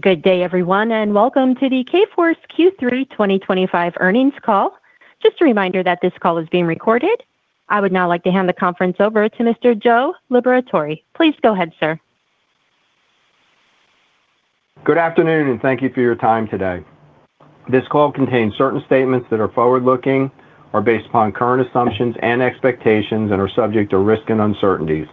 Good day, everyone, and welcome to the Kforce Q3 2025 earnings call. Just a reminder that this call is being recorded. I would now like to hand the conference over to Mr. Joe Liberatore. Please go ahead, sir. Good afternoon, and thank you for your time today. This call contains certain statements that are forward-looking, are based upon current assumptions and expectations, and are subject to risk and uncertainties.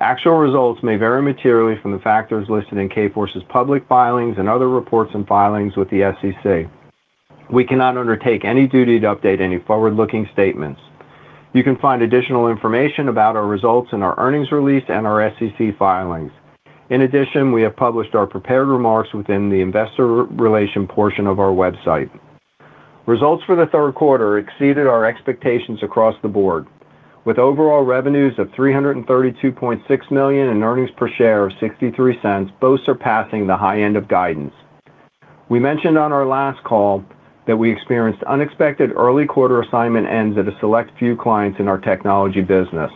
Actual results may vary materially from the factors listed in Kforce's public filings and other reports and filings with the SEC. We cannot undertake any duty to update any forward-looking statements. You can find additional information about our results in our earnings release and our SEC filings. In addition, we have published our prepared remarks within the investor relation portion of our website. Results for the third quarter exceeded our expectations across the board, with overall revenues of $332.6 million and earnings per share of $0.63, both surpassing the high end of guidance. We mentioned on our last call that we experienced unexpected early quarter assignment ends at a select few clients in our technology business.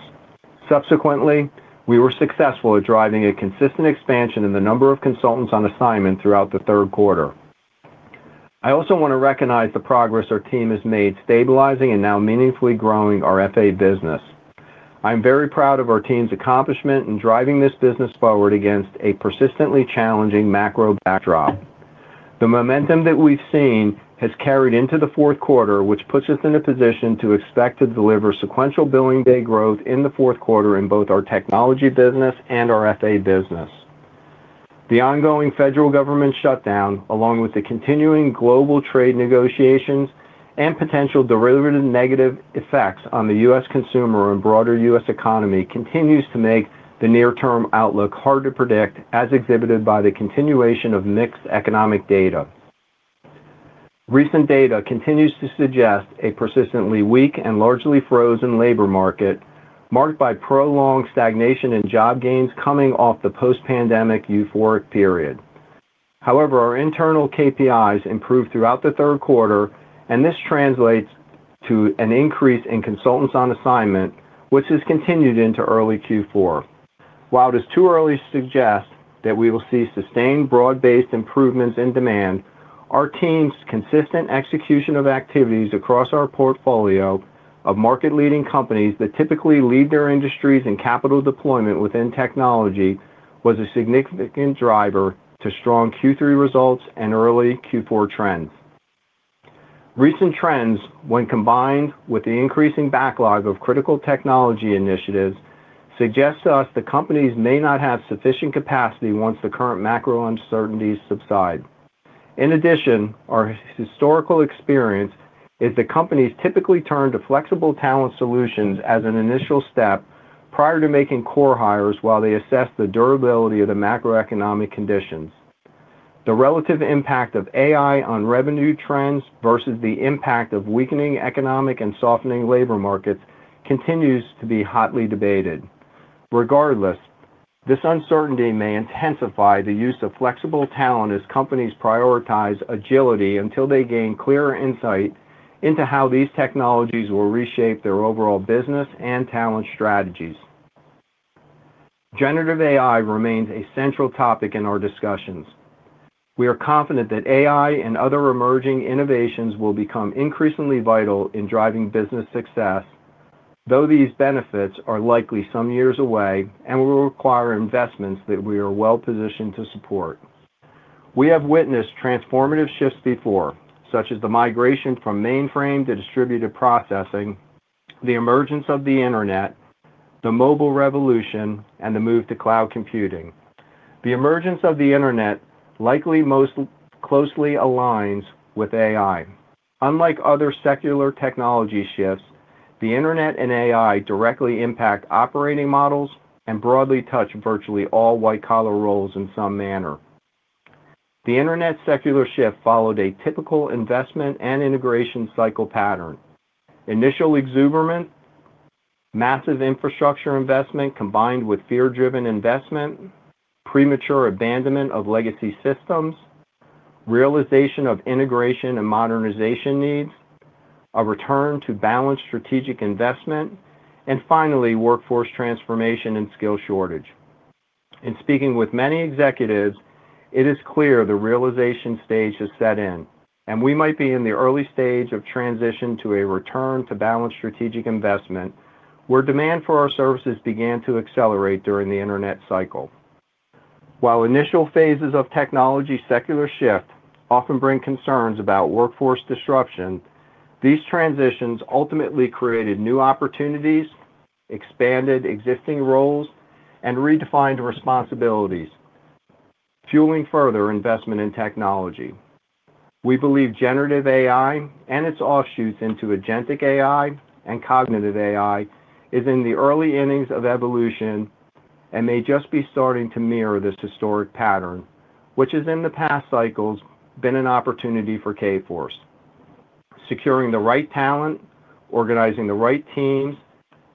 Subsequently, we were successful at driving a consistent expansion in the number of consultants on assignment throughout the third quarter. I also want to recognize the progress our team has made stabilizing and now meaningfully growing our FA business. I'm very proud of our team's accomplishment in driving this business forward against a persistently challenging macro backdrop. The momentum that we've seen has carried into the fourth quarter, which puts us in a position to expect to deliver sequential billing day growth in the fourth quarter in both our technology business and our FA business. The ongoing federal government shutdown, along with the continuing global trade negotiations and potential derivative negative effects on the U.S. consumer and broader U.S. economy, continues to make the near-term outlook hard to predict, as exhibited by the continuation of mixed economic data. Recent data continues to suggest a persistently weak and largely frozen labor market, marked by prolonged stagnation in job gains coming off the post-pandemic euphoric period. However, our internal KPIs improved throughout the third quarter, and this translates to an increase in consultants on assignment, which has continued into early Q4. While it is too early to suggest that we will see sustained broad-based improvements in demand, our team's consistent execution of activities across our portfolio of market-leading companies that typically lead their industries in capital deployment within technology was a significant driver to strong Q3 results and early Q4 trends. Recent trends, when combined with the increasing backlog of critical technology initiatives, suggest to us the companies may not have sufficient capacity once the current macro uncertainties subside. In addition, our historical experience is that companies typically turn to flexible talent solutions as an initial step prior to making core hires while they assess the durability of the macroeconomic conditions. The relative impact of AI on revenue trends versus the impact of weakening economic and softening labor markets continues to be hotly debated. Regardless, this uncertainty may intensify the use of flexible talent as companies prioritize agility until they gain clearer insight into how these technologies will reshape their overall business and talent strategies. Generative AI remains a central topic in our discussions. We are confident that AI and other emerging innovations will become increasingly vital in driving business success. Though these benefits are likely some years away and will require investments that we are well positioned to support. We have witnessed transformative shifts before, such as the migration from mainframe to distributed processing, the emergence of the internet, the mobile revolution, and the move to cloud computing. The emergence of the internet likely most closely aligns with AI. Unlike other secular technology shifts, the internet and AI directly impact operating models and broadly touch virtually all white-collar roles in some manner. The internet secular shift followed a typical investment and integration cycle pattern. Initial exuberance. Massive infrastructure investment combined with fear-driven investment. Premature abandonment of legacy systems. Realization of integration and modernization needs, a return to balanced strategic investment, and finally, workforce transformation and skill shortage. In speaking with many executives, it is clear the realization stage has set in, and we might be in the early stage of transition to a return to balanced strategic investment where demand for our services began to accelerate during the internet cycle. While initial phases of technology secular shift often bring concerns about workforce disruption, these transitions ultimately created new opportunities, expanded existing roles, and redefined responsibilities. Fueling further investment in technology. We believe generative AI and its offshoots into agentic AI and cognitive AI is in the early innings of evolution and may just be starting to mirror this historic pattern, which has in the past cycles been an opportunity for Kforce. Securing the right talent, organizing the right teams,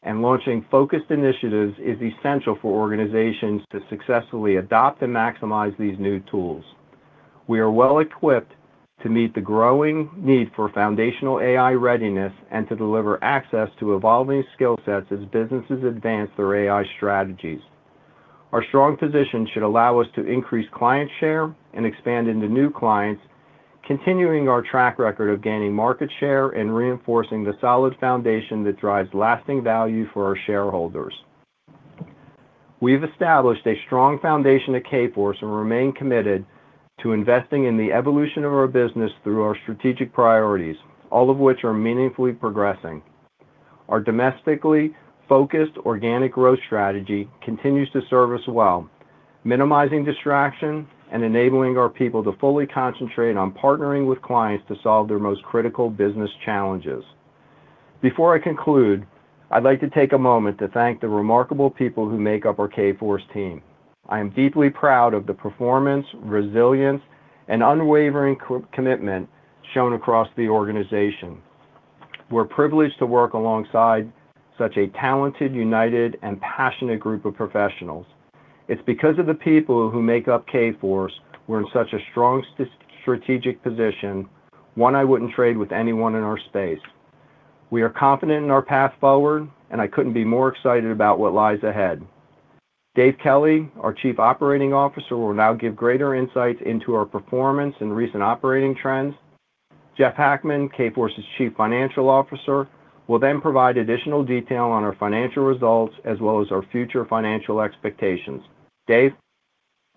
and launching focused initiatives is essential for organizations to successfully adopt and maximize these new tools. We are well equipped to meet the growing need for foundational AI readiness and to deliver access to evolving skill sets as businesses advance their AI strategies. Our strong position should allow us to increase client share and expand into new clients, continuing our track record of gaining market share and reinforcing the solid foundation that drives lasting value for our shareholders. We've established a strong foundation at Kforce and remain committed to investing in the evolution of our business through our strategic priorities, all of which are meaningfully progressing. Our domestically focused organic growth strategy continues to serve us well, minimizing distraction and enabling our people to fully concentrate on partnering with clients to solve their most critical business challenges. Before I conclude, I'd like to take a moment to thank the remarkable people who make up our Kforce team. I am deeply proud of the performance, resilience, and unwavering commitment shown across the organization. We're privileged to work alongside such a talented, united, and passionate group of professionals. It's because of the people who make up Kforce we're in such a strong strategic position. One I wouldn't trade with anyone in our space. We are confident in our path forward, and I couldn't be more excited about what lies ahead. Dave Kelly, our Chief Operating Officer, will now give greater insights into our performance and recent operating trends. Jeff Hackman, Kforce's Chief Financial Officer, will then provide additional detail on our financial results as well as our future financial expectations. Dave.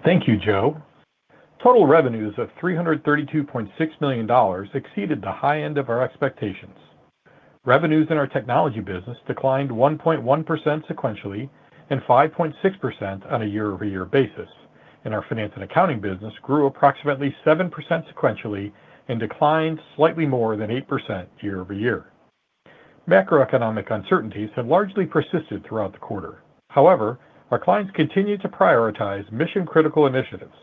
Thank you, Joe. Total revenues of $332.6 million exceeded the high end of our expectations. Revenues in our technology business declined 1.1% sequentially and 5.6% on a year-over-year basis. Our finance and accounting business grew approximately 7% sequentially and declined slightly more than 8% year-over-year. Macroeconomic uncertainties have largely persisted throughout the quarter. However, our clients continue to prioritize mission-critical initiatives.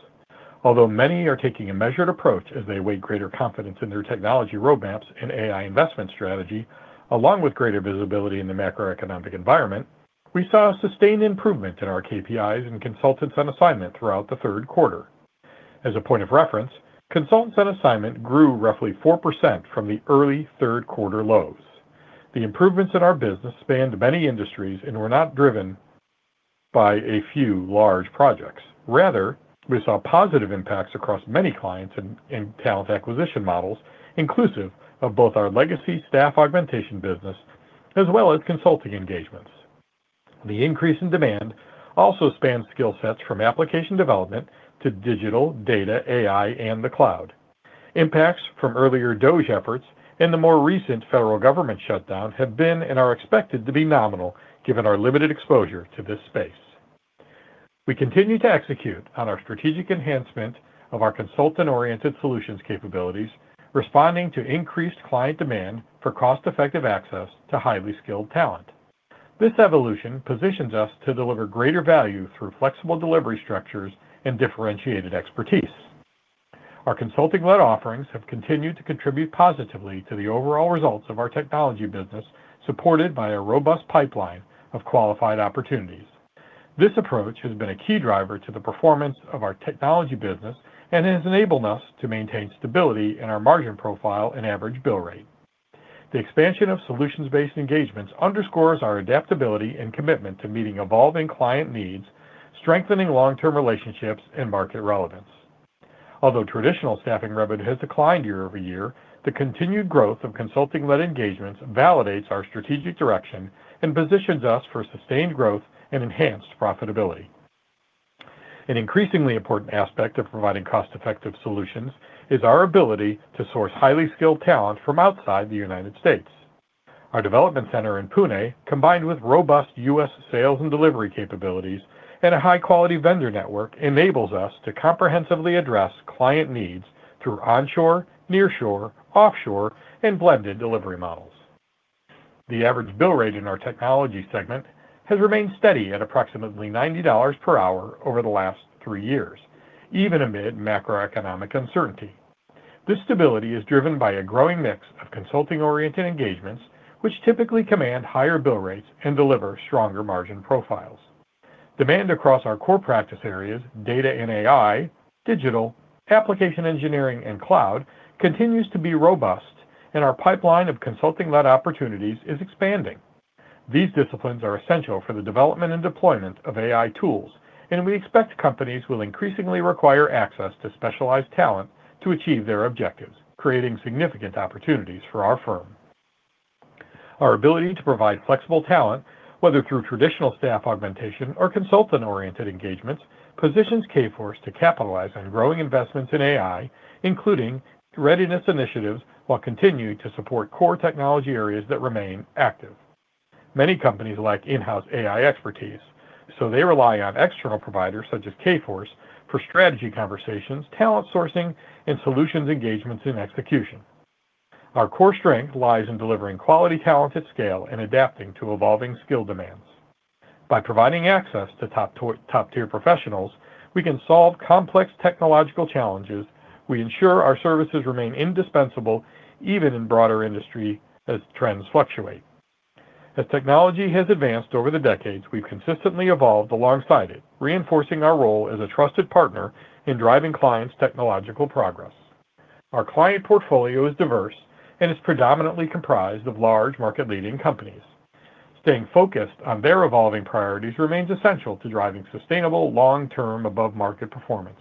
Although many are taking a measured approach as they await greater confidence in their technology roadmaps and AI investment strategy, along with greater visibility in the macroeconomic environment, we saw a sustained improvement in our KPIs and consultants on assignment throughout the third quarter. As a point of reference, consultants on assignment grew roughly 4% from the early third quarter lows. The improvements in our business spanned many industries and were not driven by a few large projects. Rather, we saw positive impacts across many clients and talent acquisition models, inclusive of both our legacy staff augmentation business as well as consulting engagements. The increase in demand also spanned skill sets from application development to digital, data, AI, and the cloud. Impacts from earlier DOGE efforts and the more recent federal government shutdown have been and are expected to be nominal given our limited exposure to this space. We continue to execute on our strategic enhancement of our consultant-oriented solutions capabilities, responding to increased client demand for cost-effective access to highly skilled talent. This evolution positions us to deliver greater value through flexible delivery structures and differentiated expertise. Our consulting-led offerings have continued to contribute positively to the overall results of our technology business, supported by a robust pipeline of qualified opportunities. This approach has been a key driver to the performance of our technology business and has enabled us to maintain stability in our margin profile and average bill rate. The expansion of solutions-based engagements underscores our adaptability and commitment to meeting evolving client needs, strengthening long-term relationships, and market relevance. Although traditional staffing revenue has declined year-over-year, the continued growth of consulting-led engagements validates our strategic direction and positions us for sustained growth and enhanced profitability. An increasingly important aspect of providing cost-effective solutions is our ability to source highly skilled talent from outside the United States. Our development center in Pune, combined with robust U.S. sales and delivery capabilities and a high-quality vendor network, enables us to comprehensively address client needs through onshore, nearshore, offshore, and blended delivery models. The average bill rate in our technology segment has remained steady at approximately $90 per hour over the last three years, even amid macroeconomic uncertainty. This stability is driven by a growing mix of consulting-oriented engagements, which typically command higher bill rates and deliver stronger margin profiles. Demand across our core practice areas, data and AI, digital, application engineering, and cloud continues to be robust, and our pipeline of consulting-led opportunities is expanding. These disciplines are essential for the development and deployment of AI tools, and we expect companies will increasingly require access to specialized talent to achieve their objectives, creating significant opportunities for our firm. Our ability to provide flexible talent, whether through traditional staff augmentation or consultant-oriented engagements, positions Kforce to capitalize on growing investments in AI, including readiness initiatives, while continuing to support core technology areas that remain active. Many companies lack in-house AI expertise, so they rely on external providers such as Kforce for strategy conversations, talent sourcing, and solutions engagements in execution. Our core strength lies in delivering quality talent at scale and adapting to evolving skill demands. By providing access to top-tier professionals, we can solve complex technological challenges. We ensure our services remain indispensable even in broader industry as trends fluctuate. As technology has advanced over the decades, we've consistently evolved alongside it, reinforcing our role as a trusted partner in driving clients' technological progress. Our client portfolio is diverse and is predominantly comprised of large market-leading companies. Staying focused on their evolving priorities remains essential to driving sustainable long-term above-market performance.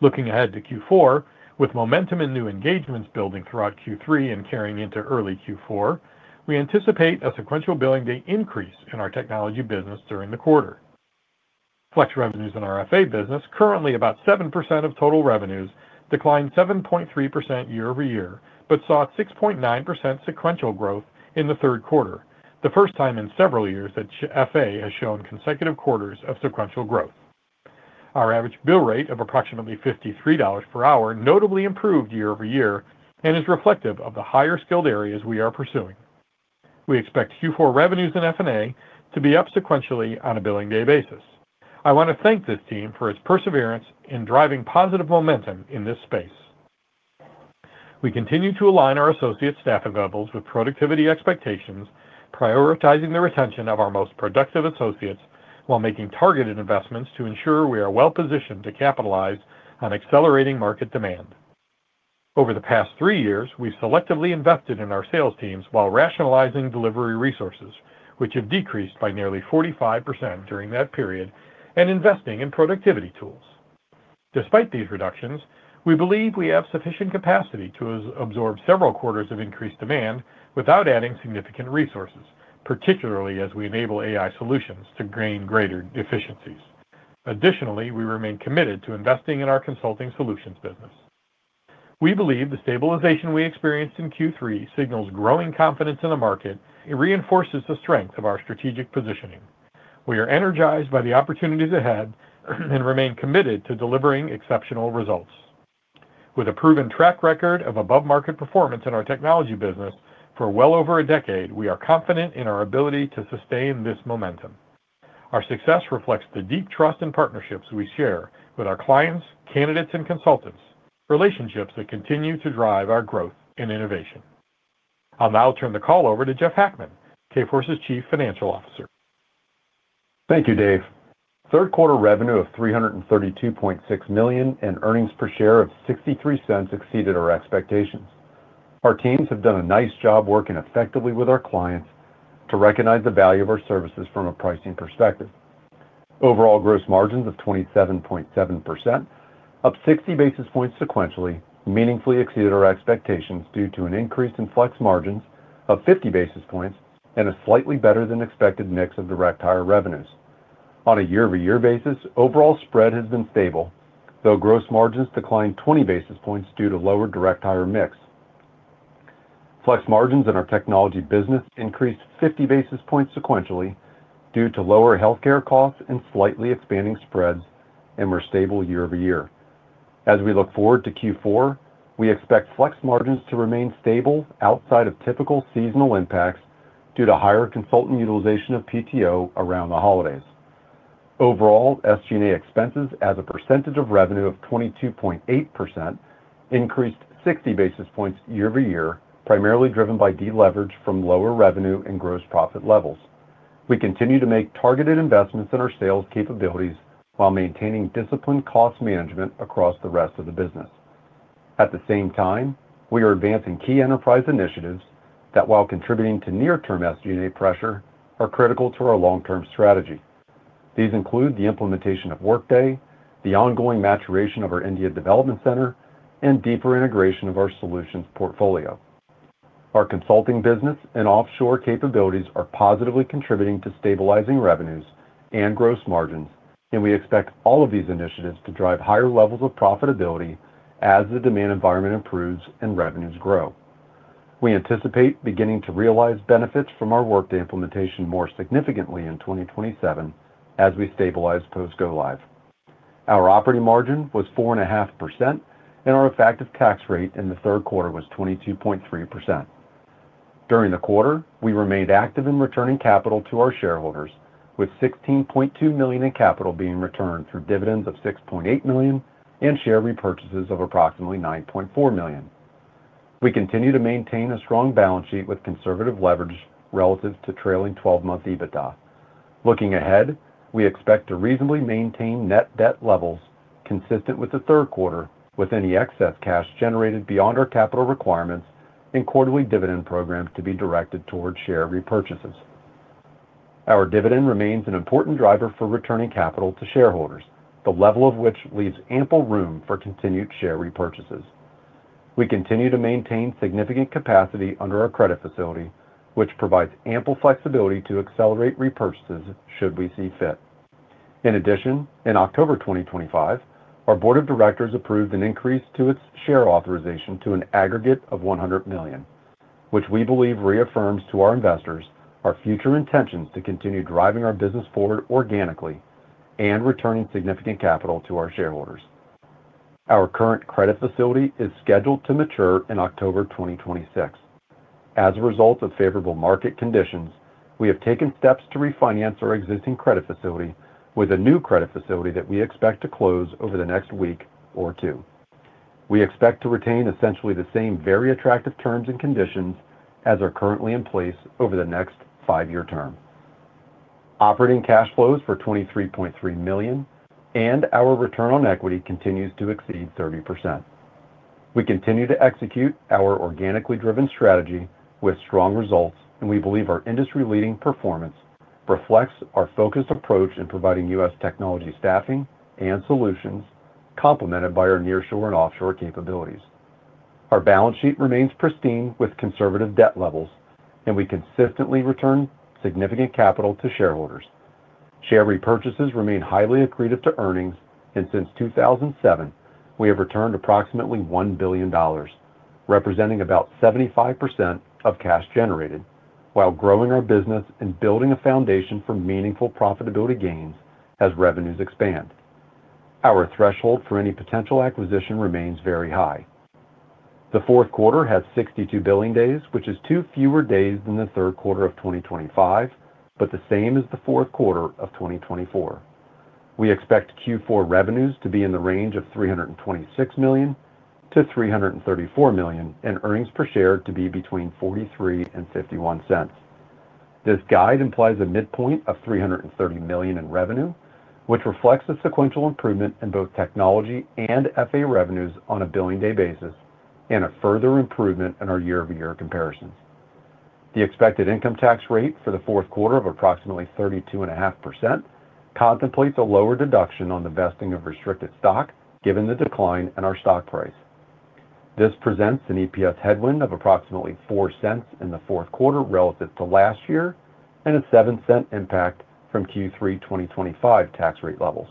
Looking ahead to Q4, with momentum in new engagements building throughout Q3 and carrying into early Q4, we anticipate a sequential billing day increase in our technology business during the quarter. Flex revenues in our FA business, currently about 7% of total revenues, declined 7.3% year-over-year but saw 6.9% sequential growth in the third quarter, the first time in several years that FA has shown consecutive quarters of sequential growth. Our average bill rate of approximately $53 per hour notably improved year-over-year and is reflective of the higher skilled areas we are pursuing. We expect Q4 revenues in F&A to be up sequentially on a billing day basis. I want to thank this team for its perseverance in driving positive momentum in this space. We continue to align our associate staffing levels with productivity expectations, prioritizing the retention of our most productive associates while making targeted investments to ensure we are well positioned to capitalize on accelerating market demand. Over the past three years, we've selectively invested in our sales teams while rationalizing delivery resources, which have decreased by nearly 45% during that period, and investing in productivity tools. Despite these reductions, we believe we have sufficient capacity to absorb several quarters of increased demand without adding significant resources, particularly as we enable AI solutions to gain greater efficiencies. Additionally, we remain committed to investing in our consulting solutions business. We believe the stabilization we experienced in Q3 signals growing confidence in the market and reinforces the strength of our strategic positioning. We are energized by the opportunities ahead and remain committed to delivering exceptional results. With a proven track record of above-market performance in our technology business for well over a decade, we are confident in our ability to sustain this momentum. Our success reflects the deep trust and partnerships we share with our clients, candidates, and consultants, relationships that continue to drive our growth and innovation. I'll now turn the call over to Jeff Hackman, Kforce's Chief Financial Officer. Thank you, Dave. Third-quarter revenue of $332.6 million and earnings per share of $0.63 exceeded our expectations. Our teams have done a nice job working effectively with our clients to recognize the value of our services from a pricing perspective. Overall gross margins of 27.7%, up 60 basis points sequentially, meaningfully exceeded our expectations due to an increase in flex margins of 50 basis points and a slightly better-than-expected mix of direct hire revenues. On a year-over-year basis, overall spread has been stable, though gross margins declined 20 basis points due to lower direct hire mix. Flex margins in our technology business increased 50 basis points sequentially due to lower healthcare costs and slightly expanding spreads, and were stable year-over-year. As we look forward to Q4, we expect flex margins to remain stable outside of typical seasonal impacts due to higher consultant utilization of PTO around the holidays. Overall, SG&A expenses as a percentage of revenue of 22.8% increased 60 basis points year-over-year, primarily driven by deleverage from lower revenue and gross profit levels. We continue to make targeted investments in our sales capabilities while maintaining disciplined cost management across the rest of the business. At the same time, we are advancing key enterprise initiatives that, while contributing to near-term SG&A pressure, are critical to our long-term strategy. These include the implementation of Workday, the ongoing maturation of our India development center, and deeper integration of our solutions portfolio. Our consulting business and offshore capabilities are positively contributing to stabilizing revenues and gross margins, and we expect all of these initiatives to drive higher levels of profitability as the demand environment improves and revenues grow. We anticipate beginning to realize benefits from our Workday implementation more significantly in 2027 as we stabilize post-go live. Our operating margin was 4.5%, and our effective tax rate in the third quarter was 22.3%. During the quarter, we remained active in returning capital to our shareholders, with $16.2 million in capital being returned through dividends of $6.8 million and share repurchases of approximately $9.4 million. We continue to maintain a strong balance sheet with conservative leverage relative to trailing 12-month EBITDA. Looking ahead, we expect to reasonably maintain net debt levels consistent with the third quarter, with any excess cash generated beyond our capital requirements and quarterly dividend programs to be directed toward share repurchases. Our dividend remains an important driver for returning capital to shareholders, the level of which leaves ample room for continued share repurchases. We continue to maintain significant capacity under our credit facility, which provides ample flexibility to accelerate repurchases should we see fit. In addition, in October 2025, our board of directors approved an increase to its share authorization to an aggregate of $100 million, which we believe reaffirms to our investors our future intentions to continue driving our business forward organically and returning significant capital to our shareholders. Our current credit facility is scheduled to mature in October 2026. As a result of favorable market conditions, we have taken steps to refinance our existing credit facility with a new credit facility that we expect to close over the next week or two. We expect to retain essentially the same very attractive terms and conditions as are currently in place over the next five-year term. Operating cash flows were $23.3 million, and our return on equity continues to exceed 30%. We continue to execute our organically driven strategy with strong results, and we believe our industry-leading performance reflects our focused approach in providing U.S. technology staffing and solutions, complemented by our nearshore and offshore capabilities. Our balance sheet remains pristine with conservative debt levels, and we consistently return significant capital to shareholders. Share repurchases remain highly accretive to earnings, and since 2007, we have returned approximately $1 billion, representing about 75% of cash generated, while growing our business and building a foundation for meaningful profitability gains as revenues expand. Our threshold for any potential acquisition remains very high. The fourth quarter has 62 billing days, which is two fewer days than the third quarter of 2025, but the same as the fourth quarter of 2024. We expect Q4 revenues to be in the range of $326 million-$334 million and earnings per share to be between $0.43 and $0.51. This guide implies a midpoint of $330 million in revenue, which reflects a sequential improvement in both technology and FA revenues on a billing day basis and a further improvement in our year-over-year comparisons. The expected income tax rate for the fourth quarter of approximately 32.5% contemplates a lower deduction on the vesting of restricted stock given the decline in our stock price. This presents an EPS headwind of approximately $0.04 in the fourth quarter relative to last year and a $0.07 impact from Q3 2025 tax rate levels.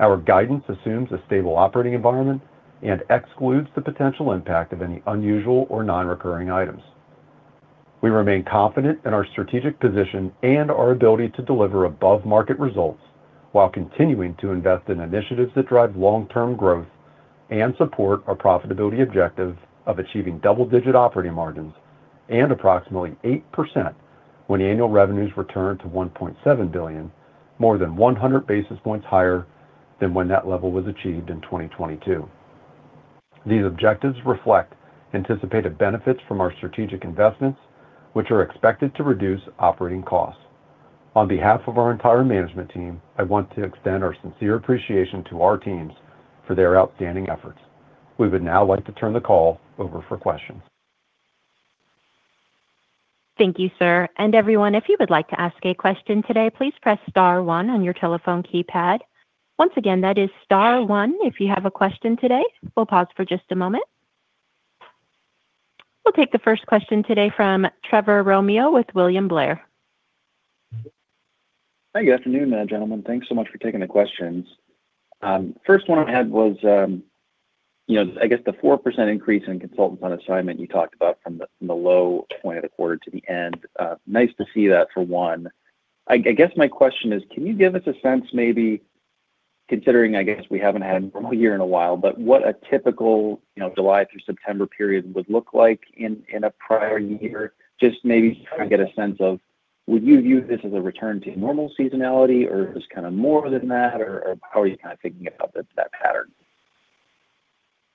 Our guidance assumes a stable operating environment and excludes the potential impact of any unusual or non-recurring items. We remain confident in our strategic position and our ability to deliver above-market results while continuing to invest in initiatives that drive long-term growth and support our profitability objective of achieving double-digit operating margins and approximately 8% when annual revenues return to $1.7 billion, more than 100 basis points higher than when that level was achieved in 2022. These objectives reflect anticipated benefits from our strategic investments, which are expected to reduce operating costs. On behalf of our entire management team, I want to extend our sincere appreciation to our teams for their outstanding efforts. We would now like to turn the call over for questions. Thank you, sir. Everyone, if you would like to ask a question today, please press star one on your telephone keypad. Once again, that is star one if you have a question today. We'll pause for just a moment. We'll take the first question today from Trevor Romeo with William Blair. Hey, good afternoon, gentlemen. Thanks so much for taking the questions. First one I had was, I guess the 4% increase in consultants on assignment you talked about from the low point of the quarter to the end. Nice to see that for one. I guess my question is, can you give us a sense maybe, considering I guess we haven't had a normal year in a while, but what a typical July through September period would look like in a prior year? Just maybe trying to get a sense of, would you view this as a return to normal seasonality or just kind of more than that, or how are you kind of thinking about that pattern?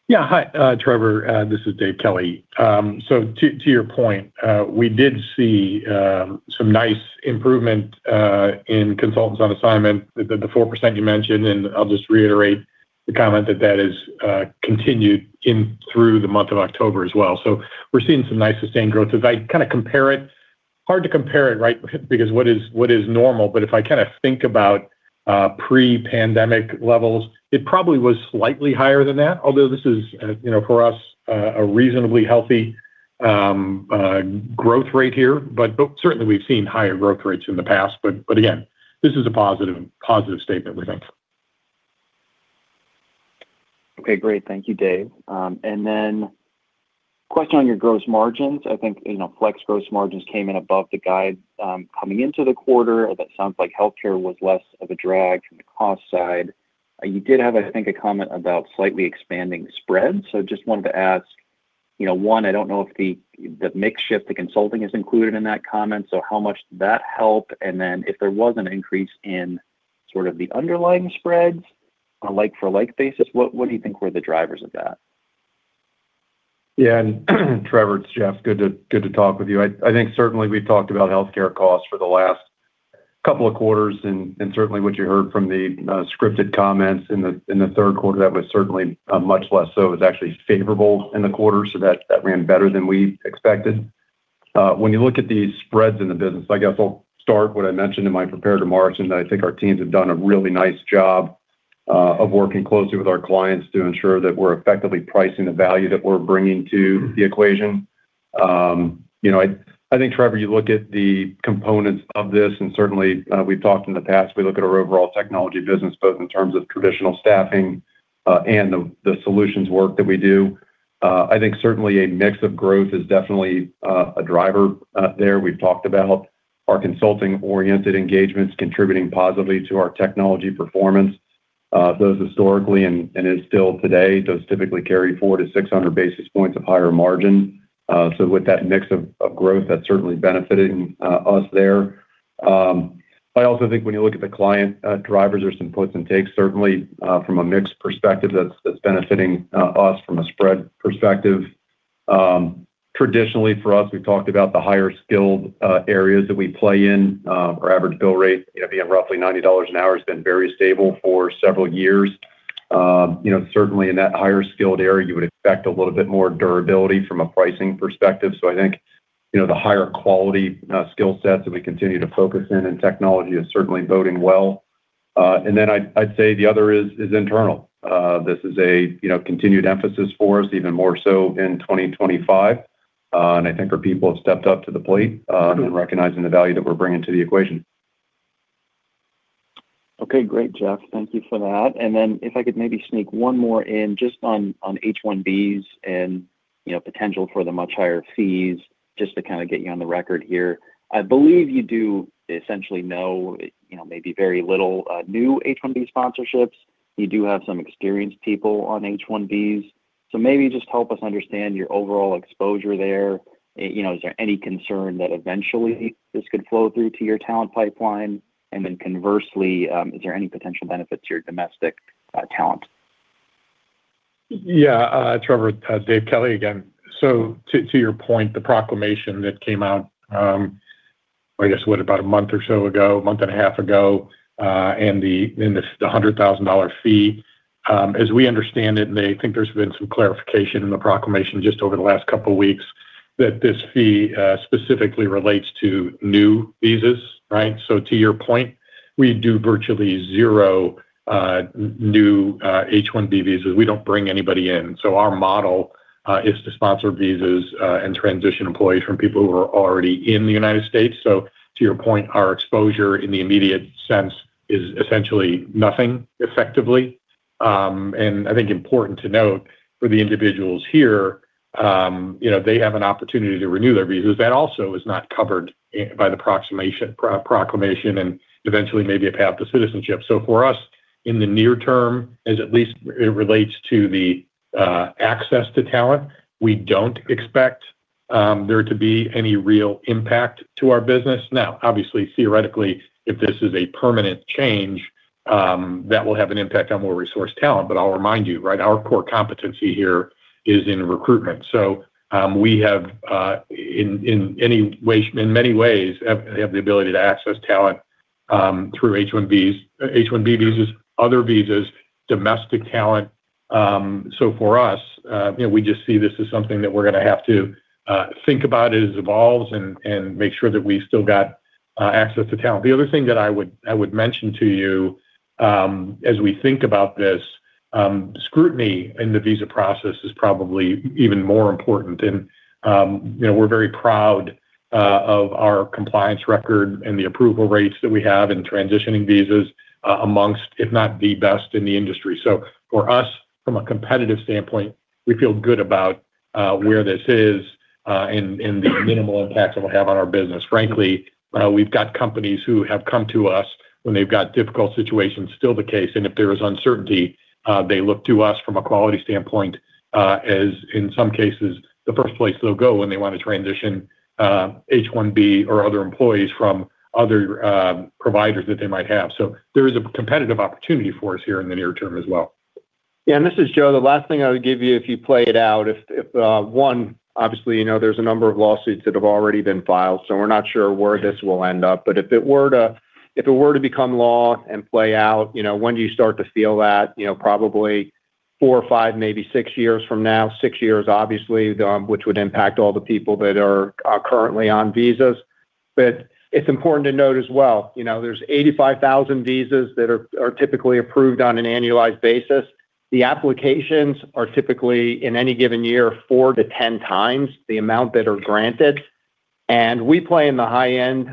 Yeah, hi, Trevor. This is Dave Kelly. To your point, we did see some nice improvement. In consultants on assignment, the 4% you mentioned, and I'll just reiterate the comment that that has continued through the month of October as well. We're seeing some nice sustained growth. As I kind of compare it, hard to compare it right because what is normal, but if I kind of think about pre-pandemic levels, it probably was slightly higher than that, although this is for us a reasonably healthy growth rate here, but certainly we've seen higher growth rates in the past. Again, this is a positive statement, we think. Okay, great. Thank you, Dave. Then, question on your gross margins. I think flex gross margins came in above the guide coming into the quarter. That sounds like healthcare was less of a drag from the cost side. You did have, I think, a comment about slightly expanding spread. Just wanted to ask, one, I do not know if the mix shift to consulting is included in that comment, so how much did that help? If there was an increase in sort of the underlying spreads on a like-for-like basis, what do you think were the drivers of that? Yeah, and Trevor, Jeff, good to talk with you. I think certainly we've talked about healthcare costs for the last couple of quarters, and certainly what you heard from the scripted comments in the third quarter, that was certainly much less so was actually favorable in the quarter, so that ran better than we expected. When you look at these spreads in the business, I guess I'll start with what I mentioned in my prepared remarks in that I think our teams have done a really nice job of working closely with our clients to ensure that we're effectively pricing the value that we're bringing to the equation. I think, Trevor, you look at the components of this, and certainly we've talked in the past, we look at our overall technology business, both in terms of traditional staffing and the solutions work that we do. I think certainly a mix of growth is definitely a driver there. We've talked about our consulting-oriented engagements contributing positively to our technology performance. Those historically and still today, those typically carry 400-600 basis points of higher margin. With that mix of growth, that's certainly benefiting us there. I also think when you look at the client drivers, there's some puts and takes, certainly from a mix perspective that's benefiting us from a spread perspective. Traditionally for us, we've talked about the higher skilled areas that we play in. Our average bill rate being roughly $90 an hour has been very stable for several years. Certainly in that higher skilled area, you would expect a little bit more durability from a pricing perspective. I think the higher quality skill sets that we continue to focus in and technology is certainly boding well. The other is internal. This is a continued emphasis for us, even more so in 2025. I think our people have stepped up to the plate in recognizing the value that we're bringing to the equation. Okay, great, Jeff. Thank you for that. If I could maybe sneak one more in just on H1Bs and potential for the much higher fees, just to kind of get you on the record here. I believe you do essentially, you know, maybe very little new H1B sponsorships. You do have some experienced people on H1Bs. Maybe just help us understand your overall exposure there. Is there any concern that eventually this could flow through to your talent pipeline? Conversely, is there any potential benefit to your domestic talent? Yeah, Trevor, Dave Kelly again. To your point, the proclamation that came out, I guess what, about a month or so ago, a month and a half ago, and the $100,000 fee, as we understand it, and I think there has been some clarification in the proclamation just over the last couple of weeks that this fee specifically relates to new visas, right? To your point, we do virtually zero new H1B visas. We do not bring anybody in. Our model is to sponsor visas and transition employees from people who are already in the United States. To your point, our exposure in the immediate sense is essentially nothing, effectively. I think important to note for the individuals here, they have an opportunity to renew their visas. That also is not covered by the proclamation and eventually maybe a path to citizenship. For us, in the near term, as at least it relates to the access to talent, we do not expect there to be any real impact to our business. Now, obviously, theoretically, if this is a permanent change, that will have an impact on more resourced talent. I will remind you, our core competency here is in recruitment. In many ways, we have the ability to access talent through H1B visas, other visas, domestic talent. For us, we just see this as something that we are going to have to think about as it evolves and make sure that we still have access to talent. The other thing that I would mention to you, as we think about this, scrutiny in the visa process is probably even more important. We are very proud of our compliance record and the approval rates that we have in transitioning visas, amongst, if not the best in the industry. For us, from a competitive standpoint, we feel good about where this is and the minimal impact it will have on our business. Frankly, we have companies who have come to us when they have difficult situations, still the case. If there is uncertainty, they look to us from a quality standpoint, as in some cases, the first place they will go when they want to transition H1B or other employees from other providers that they might have. There is a competitive opportunity for us here in the near term as well. Yeah, and this is Joe. The last thing I would give you if you play it out, if one, obviously, there's a number of lawsuits that have already been filed, so we're not sure where this will end up. If it were to become law and play out, when do you start to feel that? Probably four, five, maybe six years from now, six years, obviously, which would impact all the people that are currently on visas. It's important to note as well, there's 85,000 visas that are typically approved on an annualized basis. The applications are typically in any given year 4-10 times the amount that are granted. We play in the high-end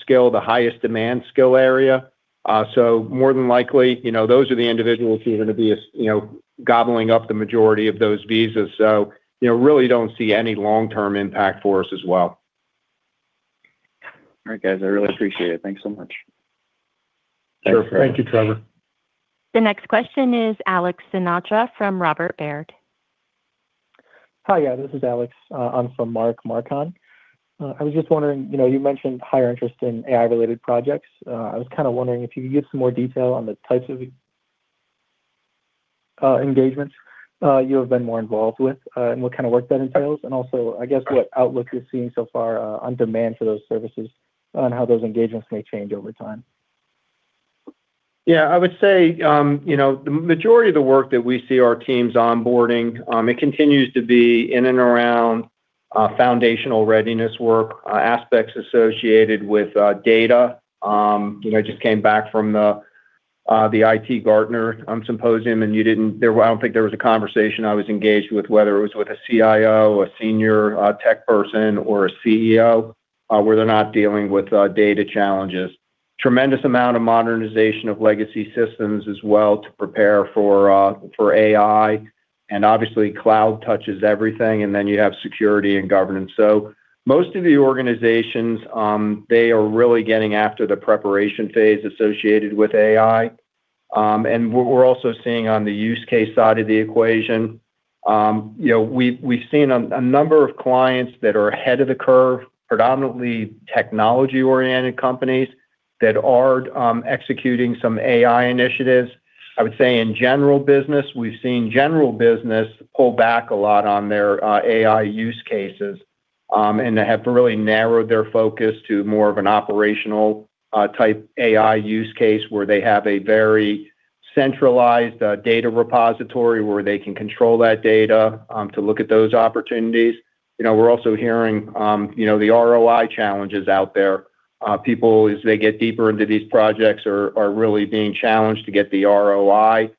skill, the highest demand skill area. More than likely, those are the individuals who are going to be gobbling up the majority of those visas. Really don't see any long-term impact for us as well. All right, guys. I really appreciate it. Thanks so much. Thank you, Trevor. The next question is Alex Sinatra from Robert W. Baird. Hi, yeah, this is Alex. I'm from Mark Marcon. I was just wondering, you mentioned higher interest in AI-related projects. I was kind of wondering if you could give some more detail on the types of engagements you have been more involved with and what kind of work that entails. Also, I guess, what outlook you're seeing so far on demand for those services and how those engagements may change over time. Yeah, I would say the majority of the work that we see our teams onboarding, it continues to be in and around foundational readiness work, aspects associated with data. I just came back from the IT Gartner Symposium, and I do not think there was a conversation I was engaged with, whether it was with a CIO, a senior tech person, or a CEO, where they are not dealing with data challenges. Tremendous amount of modernization of legacy systems as well to prepare for AI. Obviously, cloud touches everything, and then you have security and governance. Most of the organizations, they are really getting after the preparation phase associated with AI. What we are also seeing on the use case side of the equation, we have seen a number of clients that are ahead of the curve, predominantly technology-oriented companies that are executing some AI initiatives. I would say in general business, we have seen general business pull back a lot on their AI use cases. They have really narrowed their focus to more of an operational type AI use case where they have a very centralized data repository where they can control that data to look at those opportunities. We are also hearing the ROI challenges out there. People, as they get deeper into these projects, are really being challenged to get the ROI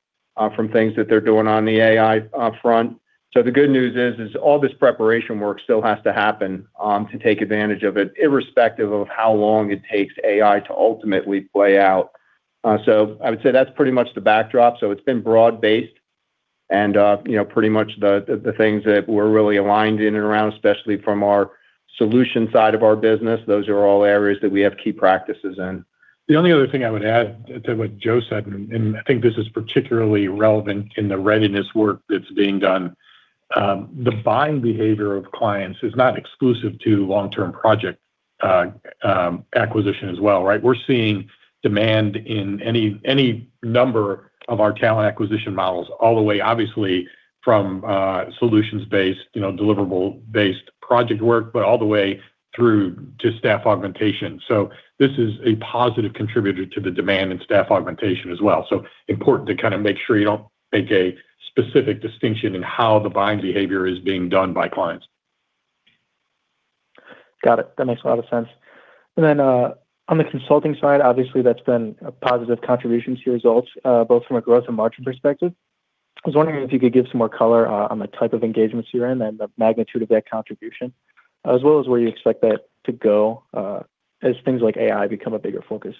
from things that they are doing on the AI front. The good news is all this preparation work still has to happen to take advantage of it, irrespective of how long it takes AI to ultimately play out. I would say that is pretty much the backdrop. It has been broad-based and pretty much the things that we are really aligned in and around, especially from our solution side of our business, those are all areas that we have key practices in. The only other thing I would add to what Joe said, and I think this is particularly relevant in the readiness work that is being done, the buying behavior of clients is not exclusive to long-term project acquisition as well, right? We are seeing demand in any number of our talent acquisition models, all the way obviously from solutions-based, deliverable-based project work, but all the way through to staff augmentation. This is a positive contributor to the demand in staff augmentation as well. It is important to kind of make sure you do not make a specific distinction in how the buying behavior is being done by clients. Got it. That makes a lot of sense. On the consulting side, obviously, that's been a positive contribution to results, both from a growth and margin perspective. I was wondering if you could give some more color on the type of engagements you're in and the magnitude of that contribution, as well as where you expect that to go as things like AI become a bigger focus.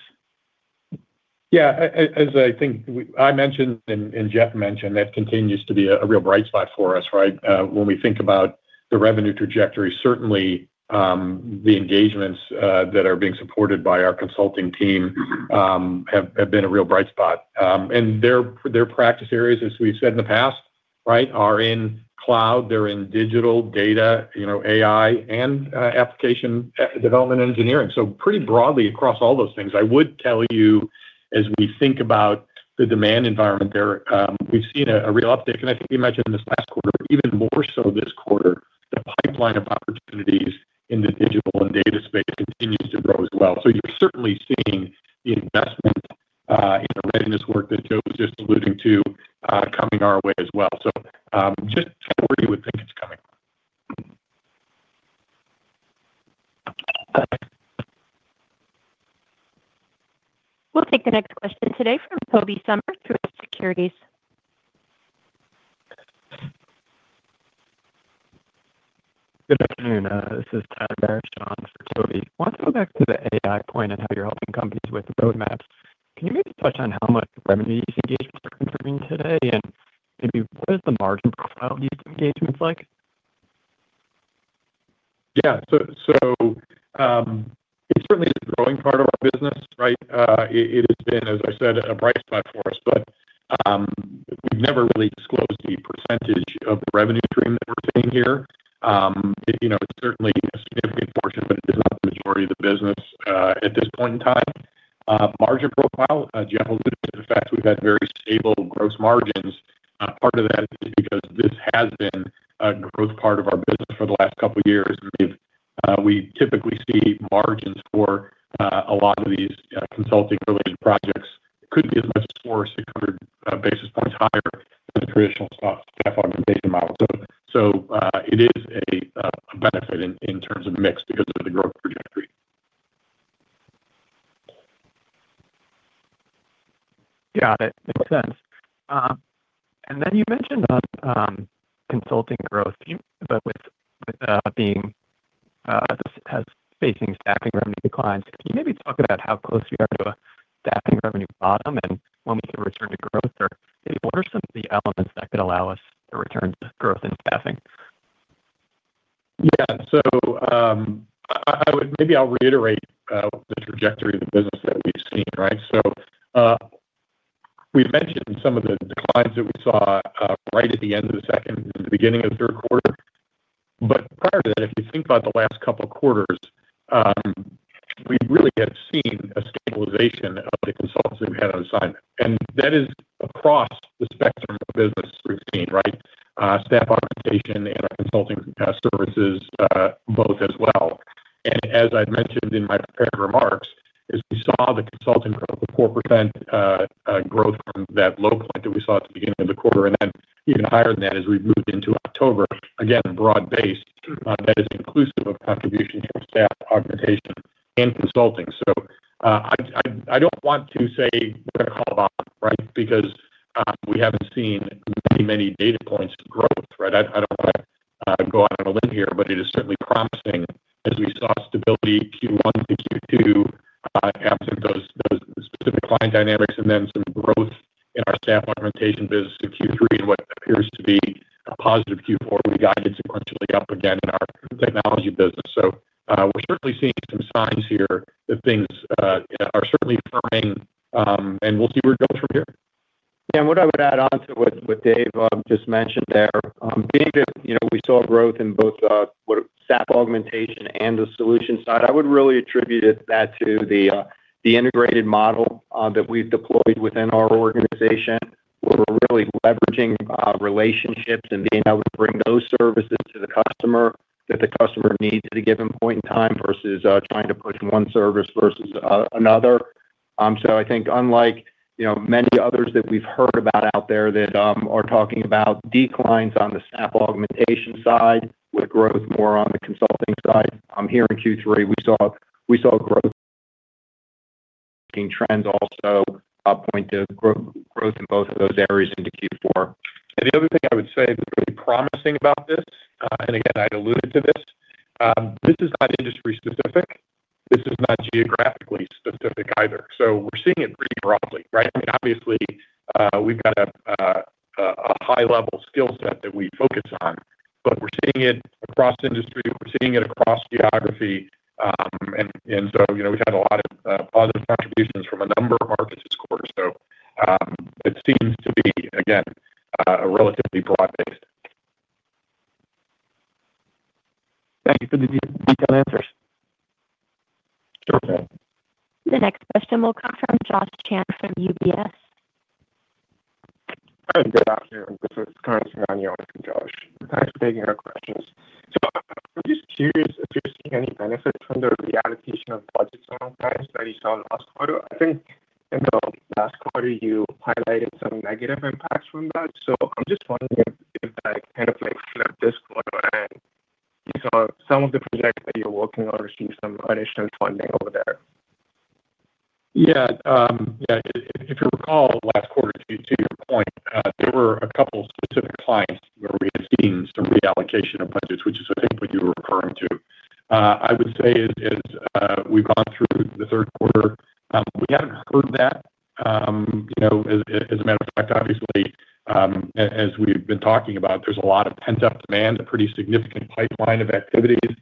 Yeah, as I think I mentioned and Jeff mentioned, that continues to be a real bright spot for us, right? When we think about the revenue trajectory, certainly. The engagements that are being supported by our consulting team have been a real bright spot. And their practice areas, as we've said in the past, right, are in cloud, they're in digital, data, AI, and application development engineering. Pretty broadly across all those things, I would tell you, as we think about the demand environment there, we've seen a real uptake. I think you mentioned this last quarter, even more so this quarter, the pipeline of opportunities in the digital and data space continues to grow as well. You're certainly seeing the investment in the readiness work that Joe was just alluding to coming our way as well. Just where you would think it's coming. We'll take the next question today from Tobey Sommer from Truist Securities. Good afternoon. This is Tyler Barishaw on for Tobey. I want to go back to the AI point and how you're helping companies with roadmaps. Can you maybe touch on how much revenue these engagements are contributing today? And maybe what is the margin profile of these engagements like? Yeah. So. It certainly is a growing part of our business, right? It has been, as I said, a bright spot for us. We have never really disclosed the percentage of the revenue stream that we are seeing here. It is certainly a significant portion, but it is not the majority of the business at this point in time. Margin profile, Jeff alluded to the fact we have had very stable gross margins. Part of that is because this has been a growth part of our business for the last couple of years. We typically see margins for a lot of these consulting-related projects could be as much as 400-600 basis points higher than the traditional staff augmentation model. It is a benefit in terms of mix because of the growth trajectory. Got it. Makes sense. You mentioned consulting growth, but being facing staffing revenue declines. Can you maybe talk about how close you are to a staffing revenue bottom and when we can return to growth? What are some of the elements that could allow us to return to growth in staffing? Yeah. So. Maybe I'll reiterate the trajectory of the business that we've seen, right? So. We've mentioned some of the declines that we saw right at the end of the second and the beginning of the third quarter. Prior to that, if you think about the last couple of quarters, we really have seen a stabilization of the consultancy we had on assignment. That is across the spectrum of business we've seen, right? Staff augmentation and our consulting services both as well. As I've mentioned in my prepared remarks, as we saw the consulting growth of 4%. Growth from that low point that we saw at the beginning of the quarter. Then even higher than that as we've moved into October, again, broad-based. That is inclusive of contribution from staff augmentation and consulting. I don't want to say we're going to call a bottom, right? Because we haven't seen many, many data points of growth, right? I don't want to go out on a limb here, but it is certainly promising as we saw stability Q1 to Q2. Absent those specific client dynamics and then some growth in our staff augmentation business to Q3 and what appears to be a positive Q4. We guided sequentially up again in our technology business. We're certainly seeing some signs here that things are certainly firming. We'll see where it goes from here. Yeah. What I would add on to what Dave just mentioned there, being that we saw growth in both staff augmentation and the solution side, I would really attribute that to the integrated model that we've deployed within our organization where we're really leveraging relationships and being able to bring those services to the customer that the customer needs at a given point in time versus trying to push one service versus another. I think unlike many others that we've heard about out there that are talking about declines on the staff augmentation side with growth more on the consulting side, here in Q3, we saw growth. Trends also point to growth in both of those areas into Q4. The other thing I would say that's really promising about this, and again, I alluded to this, this is not industry specific. This is not geographically specific either. We're seeing it pretty broadly, right? I mean, obviously, we've got a high-level skill set that we focus on, but we're seeing it across industry. We're seeing it across geography. We've had a lot of positive contributions from a number of markets this quarter. It seems to be, again, a relatively broad-based. Thank you for the detailed answers. Sure thing. The next question will come from Josh Chan from UBS. Good afternoon. This is Karan Singhania from Josh. Thanks for taking our questions. I'm just curious if you're seeing any benefits from the reallocation of budgets alongside that you saw last quarter. I think in the last quarter, you highlighted some negative impacts from that. I'm just wondering if that kind of flipped this quarter and you saw some of the projects that you're working on receive some additional funding over there. Yeah. Yeah. If you recall last quarter, to your point, there were a couple of specific clients where we had seen some reallocation of budgets, which is, I think, what you were referring to. I would say as we've gone through the third quarter, we haven't heard that. As a matter of fact, obviously, as we've been talking about, there's a lot of pent-up demand, a pretty significant pipeline of activities.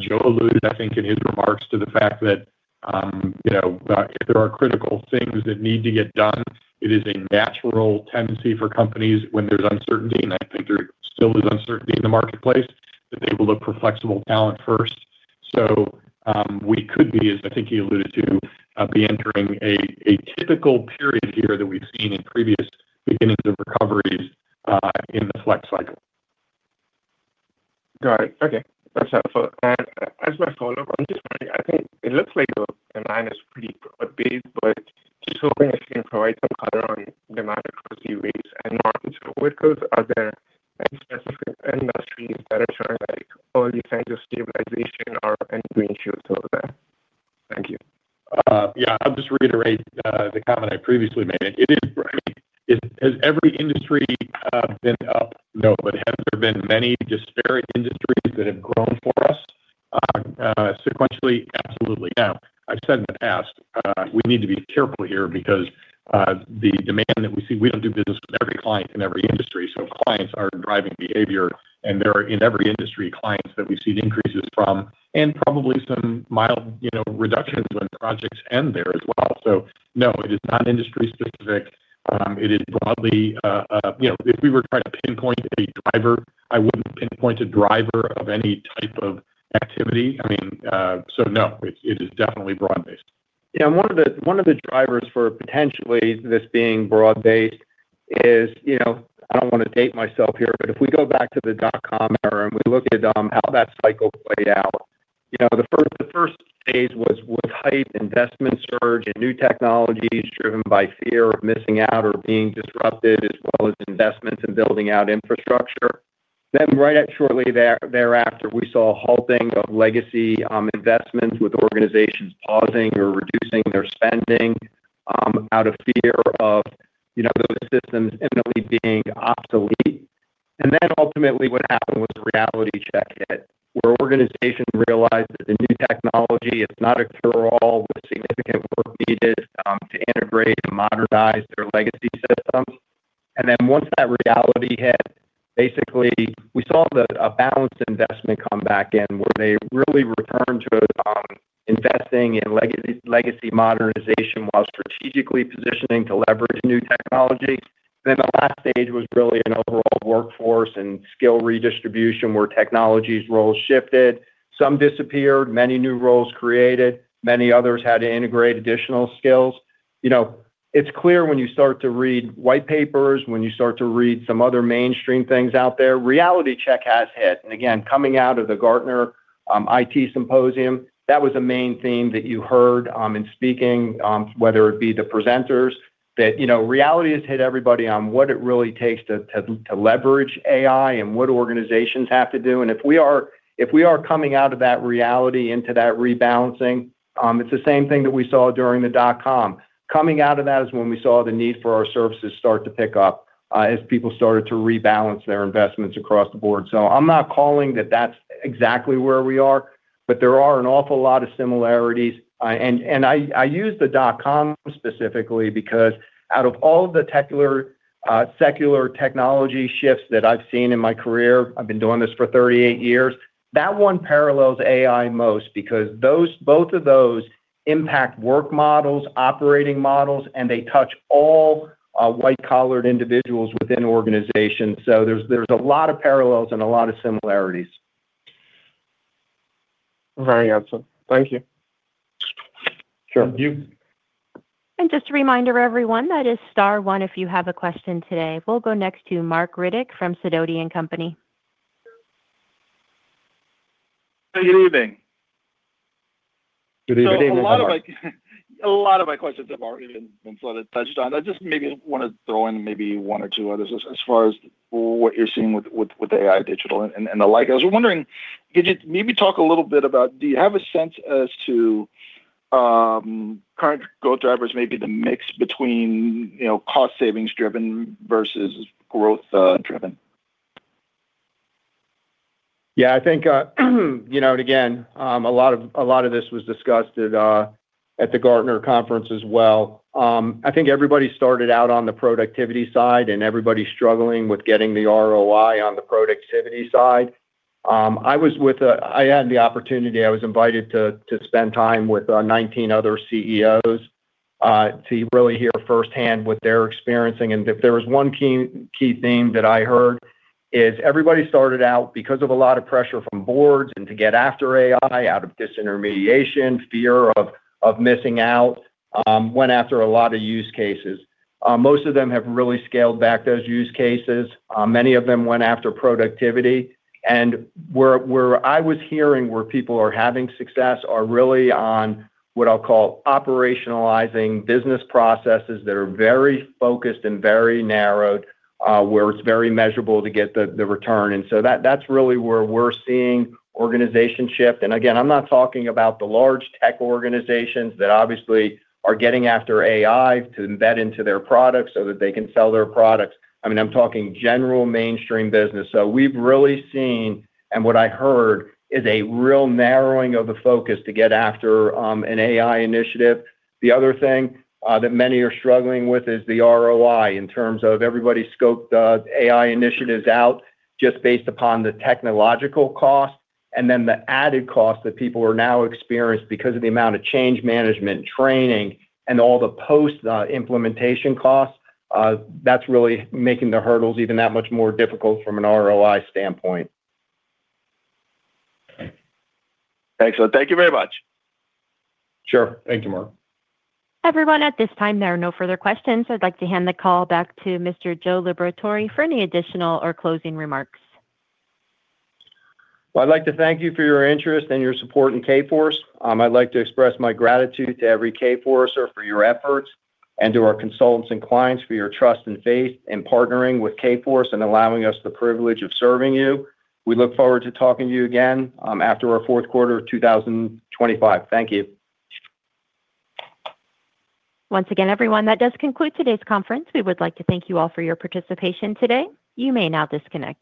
Joe alluded, I think, in his remarks to the fact that if there are critical things that need to get done, it is a natural tendency for companies when there's uncertainty, and I think there still is uncertainty in the marketplace, that they will look for flexible talent first. We could be, as I think he alluded to, be entering a typical period here that we've seen in previous beginnings of recoveries in the flex cycle. Got it. Okay. That's helpful. As my follow-up, I'm just wondering, I think it looks like the demand is pretty broad-based, but just hoping if you can provide some color on demand across UBS and markets for workers, are there any specific industries that are showing all these kinds of stabilization or enduring shifts over there? Thank you. Yeah. I'll just reiterate the comment I previously made. I mean, has every industry been up? No, but have there been many disparate industries that have grown for us? Sequentially, absolutely. Now, I've said in the past, we need to be careful here because the demand that we see, we don't do business with every client in every industry. Clients are driving behavior, and there are in every industry clients that we've seen increases from and probably some mild reductions when projects end there as well. No, it is not industry specific. It is broadly. If we were trying to pinpoint a driver, I wouldn't pinpoint a driver of any type of activity. I mean, no, it is definitely broad-based. Yeah. One of the drivers for potentially this being broad-based is, I don't want to date myself here, but if we go back to the dot-com era and we look at how that cycle played out, the first phase was with hype investment surge and new technologies driven by fear of missing out or being disrupted, as well as investments in building out infrastructure. Right shortly thereafter, we saw halting of legacy investments with organizations pausing or reducing their spending out of fear of those systems imminently being obsolete. Ultimately, what happened was a reality check hit where organizations realized that the new technology is not a cure-all with significant work needed to integrate and modernize their legacy systems. Once that reality hit, basically, we saw a balanced investment come back in where they really returned to investing in legacy modernization while strategically positioning to leverage new technology. The last stage was really an overall workforce and skill redistribution where technologies' roles shifted. Some disappeared, many new roles created, many others had to integrate additional skills. It's clear when you start to read white papers, when you start to read some other mainstream things out there, reality check has hit. Again, coming out of the Gartner IT Symposium, that was a main theme that you heard in speaking, whether it be the presenters, that reality has hit everybody on what it really takes to leverage AI and what organizations have to do. If we are coming out of that reality into that rebalancing, it's the same thing that we saw during the dot-com. Coming out of that is when we saw the need for our services start to pick up as people started to rebalance their investments across the board. I'm not calling that that's exactly where we are, but there are an awful lot of similarities. I use the dot-com specifically because out of all of the secular technology shifts that I've seen in my career, I've been doing this for 38 years, that one parallels AI most because both of those impact work models, operating models, and they touch all white-collar individuals within organizations. There's a lot of parallels and a lot of similarities. Very helpful. Thank you. Sure. Thank you. Just a reminder to everyone, that is Star One if you have a question today. We'll go next to Marc Riddick from Sidoti & Company. Hey, good evening. Good evening. A lot of my questions have already been sort of touched on. I just maybe want to throw in maybe one or two others as far as what you're seeing with AI, digital, and the like. I was wondering, could you maybe talk a little bit about, do you have a sense as to current growth drivers, maybe the mix between cost-savings-driven versus growth-driven? Yeah. I think. And again, a lot of this was discussed at the Gartner conference as well. I think everybody started out on the productivity side, and everybody's struggling with getting the ROI on the productivity side. I had the opportunity, I was invited to spend time with 19 other CEOs. To really hear firsthand what they're experiencing. If there was one key theme that I heard, it is everybody started out because of a lot of pressure from boards and to get after AI, out of disintermediation, fear of missing out. Went after a lot of use cases. Most of them have really scaled back those use cases. Many of them went after productivity. Where I was hearing where people are having success are really on what I'll call operationalizing business processes that are very focused and very narrowed, where it's very measurable to get the return. That's really where we're seeing organizations shift. I'm not talking about the large tech organizations that obviously are getting after AI to embed into their products so that they can sell their products. I mean, I'm talking general mainstream business. We've really seen, and what I heard is a real narrowing of the focus to get after an AI initiative. The other thing that many are struggling with is the ROI in terms of everybody scoped AI initiatives out just based upon the technological cost and then the added cost that people are now experiencing because of the amount of change management, training, and all the post-implementation costs. That's really making the hurdles even that much more difficult from an ROI standpoint. Excellent. Thank you very much. Sure. Thank you, Marc. Everyone, at this time, there are no further questions. I'd like to hand the call back to Mr. Joe Liberatore for any additional or closing remarks. I would like to thank you for your interest and your support in Kforce. I would like to express my gratitude to every Kforce for your efforts and to our consultants and clients for your trust and faith in partnering with Kforce and allowing us the privilege of serving you. We look forward to talking to you again after our fourth quarter of 2025. Thank you. Once again, everyone, that does conclude today's conference. We would like to thank you all for your participation today. You may now disconnect.